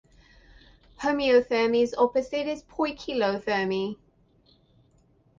Homeothermy's opposite is poikilothermy.